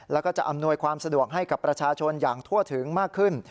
แล้วก็จะอำนวยความสะดวกให้กับประชาชนอย่างทั่วถึงมากขึ้น